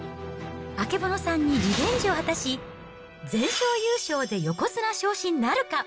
曙さんにリベンジを果たし、全勝優勝で横綱昇進なるか。